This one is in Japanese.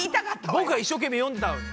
僕が一生懸命読んでたのに。